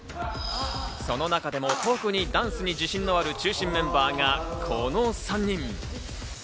その中でも特にダンスに自信のある中心メンバーがこの３人。